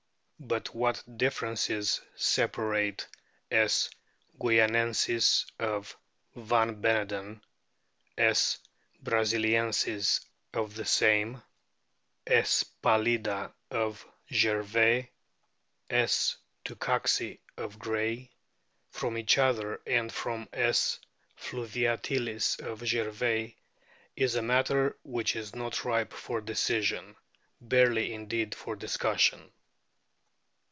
But what differences separate S. guianensis of van Beneden, 5". brasiliensis of the same, S. p alii da of Gervais, .5*. tucuxi of Gray, from each other and from S. fluviatilis of Gervais is a matter which is not ripe for decision, barely, indeed, for discussion.